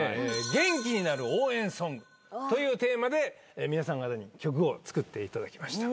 元気になる応援ソングというテーマで皆さん方に曲を作っていただきました。